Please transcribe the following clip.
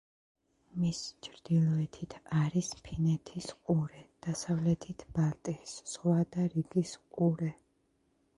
მის ჩრდილოეთით არის ფინეთის ყურე, დასავლეთით ბალტიის ზღვა და რიგის ყურე.